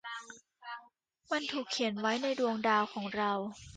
มันถูกเขียนไว้ในดวงดาวของเรา